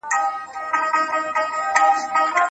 هغې دا تخنیک له خپل رییس څخه زده کړ.